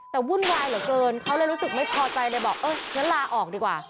แต่วุ่นวายเหลือเกินเขาเลยรู้สึกไม่พอใจเลยบอกเอองั้นลาออกดีกว่า